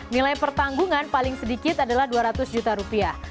nilai pertanggungan paling sedikit adalah dua ratus juta rupiah